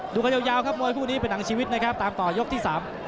ดูกันยาวครับมวยคู่นี้เป็นหนังชีวิตนะครับตามต่อยกที่สาม